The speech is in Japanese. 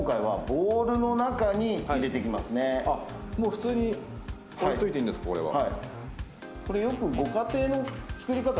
普通に置いといていいんですかこれは。